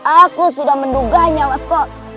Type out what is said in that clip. aku sudah mendugahnya waskol